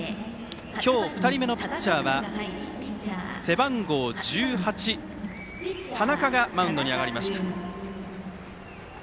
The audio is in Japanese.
今日２人目のピッチャーは背番号１８の田中がマウンドに上がりました。